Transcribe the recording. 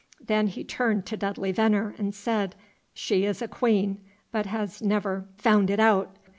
Then he turned to Dudley Venner, and said, "She is a queen, but has never found it out.